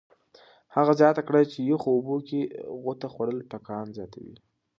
هغه زیاته کړه چې یخو اوبو کې غوطه خوړل ټکان زیاتوي.